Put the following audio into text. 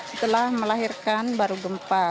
setelah melahirkan baru gempa